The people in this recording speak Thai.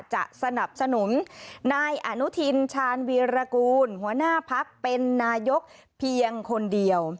จะสนับสนุนนายอนุทินชาญวีรกูลหัวหน้าพักเป็นนายกเพียงคนเดียว